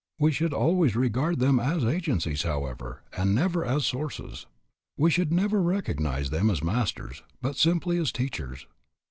We should always regard them as agencies, however, and never as sources. We should never recognize them as masters, but simply as teachers.